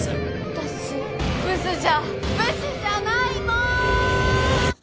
私ブスじゃブスじゃないもん！